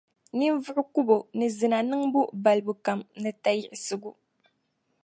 ninvuɣukubo ni zina niŋbu balibu kam ni tayiɣisigu.